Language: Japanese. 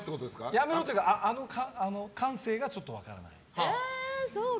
やめろっていうかあの歓声がちょっと分からない。